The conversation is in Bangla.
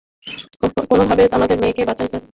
কোনোভাবে আমার মেয়েকে বাঁচান স্যার।